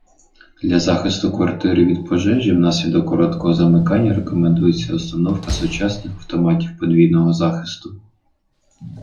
Для захисту квартири від пожежі внаслідок короткого замикання рекомендується установка сучасних автоматів подвійного захисту